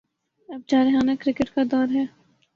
اب جارحانہ کرکٹ کا دور ہے۔